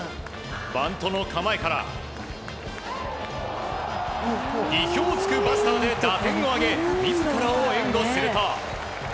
バントの構えから意表を突くバスターで打点を挙げ自らを援護すると。